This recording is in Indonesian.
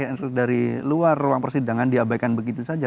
pendapat yang lahir dari luar ruang persidangan diabaikan begitu saja